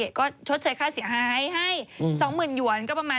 เพราะชดเศษค่าเสียหายให้๒๐๐๐๐หยวนก็ประมาณ๑๐๐๐๐๐